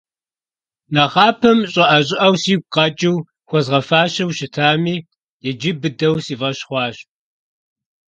Нэхъапэм щӀыӀэ-щӀыӀэу сигу къэкӀыу, хуэзгъэфащэу щытами, иджы быдэу си фӀэщ хъуащ.